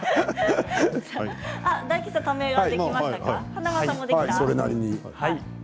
大吉さん、ためができましたか？